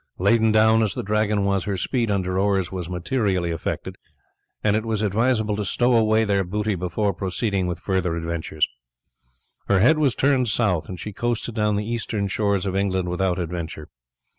Laden down as the Dragon was, her speed under oars was materially affected, and it was advisable to stow away their booty before proceeding with further adventures. Her head was turned south, and she coasted down the eastern shores of England without adventure.